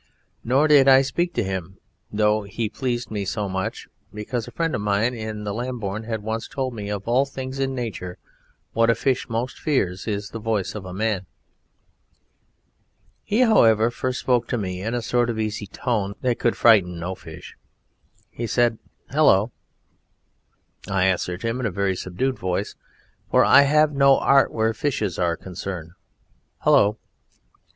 Nor did I speak to him, though he pleased me so much, because a friend of mine in Lambourne had once told me that of all things in Nature what a fish most fears is the voice of a man. He, however, first spoke to me in a sort of easy tone that could frighten no fish. He said "Hullo!" I answered him in a very subdued voice, for I have no art where fishes are concerned, "Hullo!"